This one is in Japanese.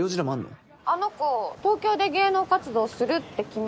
あの子東京で芸能活動するって決めて。